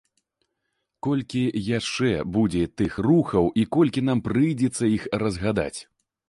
Колькі яшчэ будзе тых рухаў і колькі нам прыйдзецца іх разгадаць!